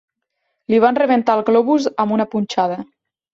Li van rebentar el globus amb una punxada.